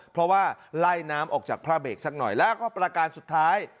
เพราะว่าไล่น้ำออกจากพระเบรกสักหน่อยแล้วก็ประการสุดท้าย